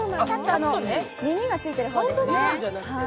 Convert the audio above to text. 耳がついてる方ですね。